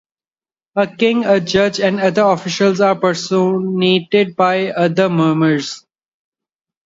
A king, a judge, and other officials are personated by other mummers.